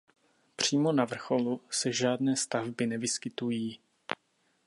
Přímo na vrcholu se žádné stavby nevyskytují.